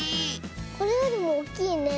これよりもおっきいね。